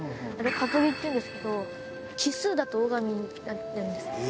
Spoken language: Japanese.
あれは鰹木っていうんですけど奇数だと男神になってるんです。